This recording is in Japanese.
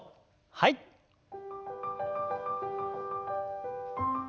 はい。